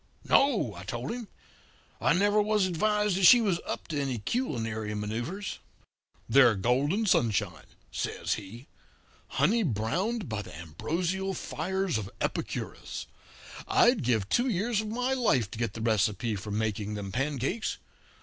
No,' I told him. 'I never was advised that she was up to any culinary manoeuvres.' "'They're golden sunshine,' says he, 'honey browned by the ambrosial fires of Epicurus. I'd give two years of my life to get the recipe for making them pancakes.